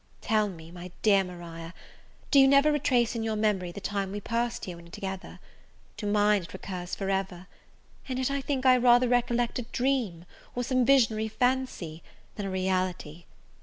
Tell me, my dear Maria, do you never retrace in your memory the time we passed here when together? to mine it recurs for ever! And yet I think I rather recollect a dream, or some visionary fancy, than a reality.